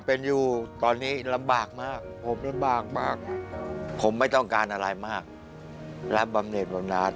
ผมไม่ต้องการอะไรมากรับบำเน็ตบำนาน